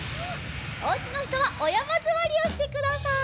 おうちのひとはおやまずわりをしてください。